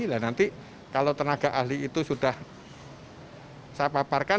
dan nanti kalau tenaga ahli itu sudah saya paparkan